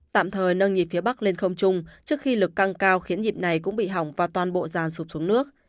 tạm thời nâng nhịp phía bắc lên không chung trước khi lực căng cao khiến nhịp này cũng bị hỏng và toàn bộ ràn sụp xuống nước